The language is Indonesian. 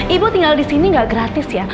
ibu tinggal disini gak gratis ya